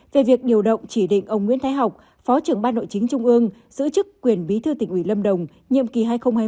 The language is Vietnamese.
về việc điều động chỉ định ông nguyễn thái học phó trưởng ban nội chính trung ương giữ chức quyền bí thư tỉnh ủy lâm đồng nhiệm kỳ hai nghìn hai mươi hai nghìn hai mươi năm